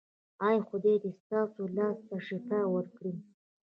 ایا خدای دې ستاسو لاس ته شفا ورکړي؟